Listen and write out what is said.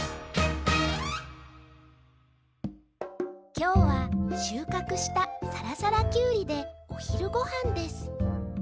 きょうはしゅうかくしたさらさらキュウリでおひるごはんです